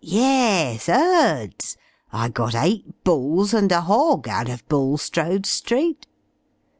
"Yes, herds; I got eight bulls and a hog out of Bullstrode Street."